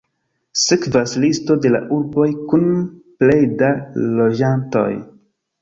Sekvas listo de la urboj kun plej da loĝantoj.